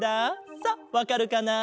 さあわかるかな？